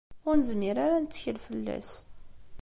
Ur nezmir ara ad nettkel fell-as.